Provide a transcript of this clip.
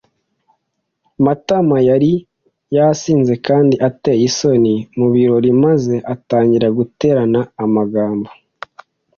Matama yari yasinze kandi ateye isoni mu birori maze atangira guterana amagambo.